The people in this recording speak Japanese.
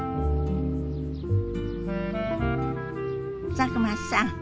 佐久間さん